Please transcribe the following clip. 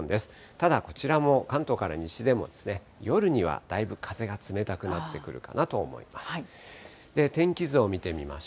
ただ、こちらも関東から西でも、夜にはだいぶ風が冷たくなってくるかなと思います。